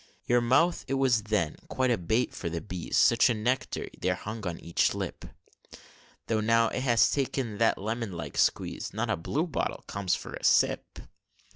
Your mouth, it was then quite a bait for the bees, Such a nectar there hung on each lip; Though now it has taken that lemon like squeeze, Not a blue bottle comes for a sip!